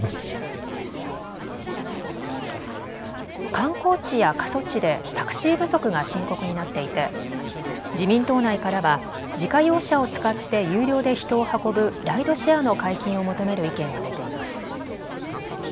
観光地や過疎地でタクシー不足が深刻になっていて自民党内からは自家用車を使って有料で人を運ぶライドシェアの解禁を求める意見が出ています。